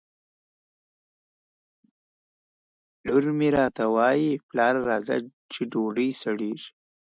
لور مې راته وایي ! پلاره راځه چې ډوډۍ سړېږي